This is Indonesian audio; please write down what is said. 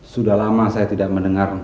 sudah lama saya tidak mendengar